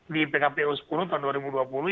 di pkpu sepuluh tahun dua ribu dua puluh